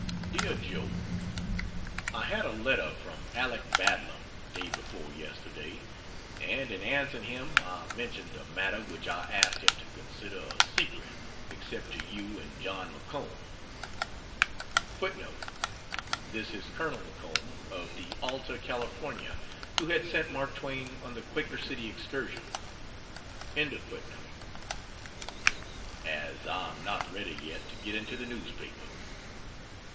DEAR JOE, I had a letter from Aleck Badlam day before yesterday, and in answering him I mentioned a matter which I asked him to consider a secret except to you and John McComb, [This is Col. McComb, of the Alta California, who had sent Mark Twain on the Quaker City excursion] as I am not ready yet to get into the newspapers.